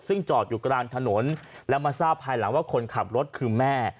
ซึ่งจอดอยู่กลางถนนและมาทราบภายหลังว่าคนขับรถคือแม่